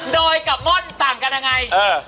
โดยกับม่อนต่างกันยังไง